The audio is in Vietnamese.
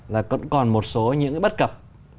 là vẫn còn một số những bất cập